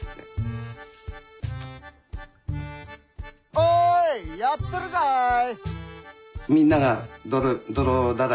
おいやってるかい？